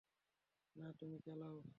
না, তুমি চালাও।